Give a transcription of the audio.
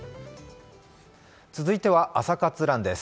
続いては「朝活ＲＵＮ」です。